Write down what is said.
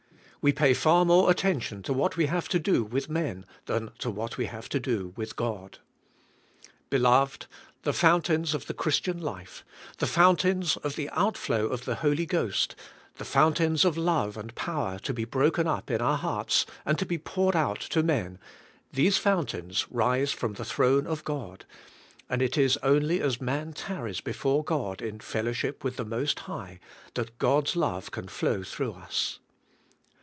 We pay far more attention to what we have to do with men than to what we have to do with God. Beloved, the fountains of the Christian life, the fountains of the outflow of the Holy Ghost, the fountains of love and power to 136 THE SPIRITUAI, LIFE. be broken up in our hearts and to be poured out to men, these fountains rise from the throne of God, and it is only as man tarries before God in fellow ship with the Most High, that God's love can flow through us.